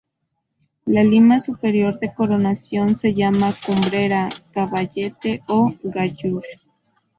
La lima superior de coronación se llama cumbrera, caballete o gallur.